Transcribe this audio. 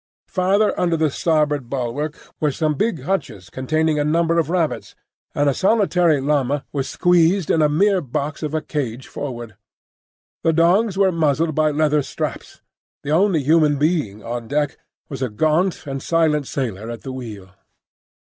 Farther under the starboard bulwark were some big hutches containing a number of rabbits, and a solitary llama was squeezed in a mere box of a cage forward. The dogs were muzzled by leather straps. The only human being on deck was a gaunt and silent sailor at the wheel.